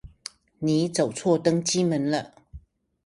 你走錯登機門了